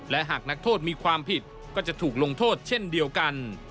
และหากนักโทษมีความผิดก็จะถูกลงโทษเช่นเดียวกัน